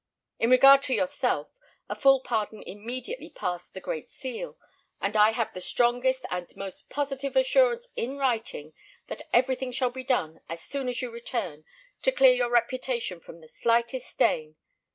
In regard to yourself, a full pardon immediately passed the great seal; and I have the strongest and most positive assurance in writing that everything shall be done, as soon as you return, to clear your reputation from the slightest stain.